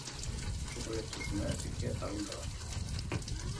Oso proiektu xumea, txikia eta arrunta da.